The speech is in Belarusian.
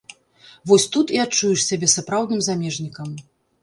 Вось тут і адчуеш сябе сапраўдным замежнікам.